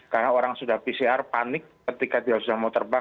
karena orang sudah pcr panik ketika dia sudah mau terbang